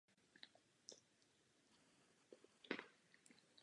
Po konci sezóny se rozhodl ukončit kariéru.